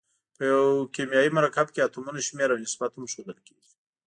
په یو کیمیاوي مرکب کې اتومونو شمیر او نسبت هم ښودل کیږي.